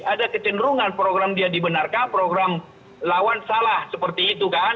ada kecenderungan program dia dibenarkan program lawan salah seperti itu kan